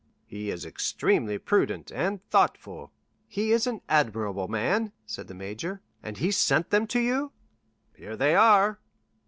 "He is extremely prudent and thoughtful." "He is an admirable man," said the major; "and he sent them to you?" "Here they are."